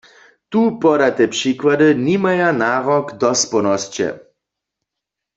Tu podate přikłady nimaja narok dospołnosće.